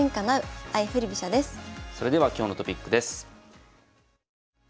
それでは今日のトピックです。